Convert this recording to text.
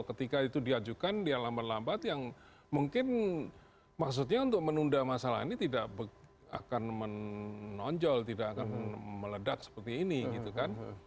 ketika itu diajukan dia lambat lambat yang mungkin maksudnya untuk menunda masalah ini tidak akan menonjol tidak akan meledak seperti ini gitu kan